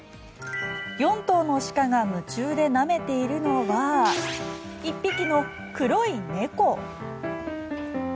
４頭の鹿が夢中でなめているのは１匹の黒い猫。